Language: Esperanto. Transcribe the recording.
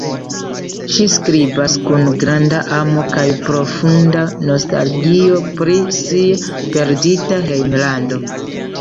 Ŝi skribas kun granda amo kaj profunda nostalgio pri sia perdita hejmlando.